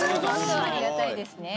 ホントありがたいですね。